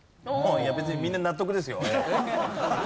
いや別にみんな納得ですよ。